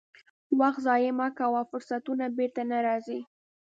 وخت ضایع مه کوه، فرصتونه بیرته نه راځي.